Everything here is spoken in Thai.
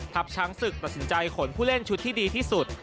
ช้างศึกตัดสินใจขนผู้เล่นชุดที่ดีที่สุด